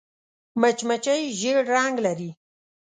مچمچۍ ژیړ رنګ لري